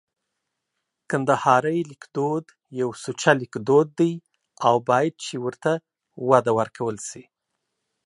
کندهارۍ لیکدود یو سوچه لیکدود دی او باید چي ورته وده ورکول سي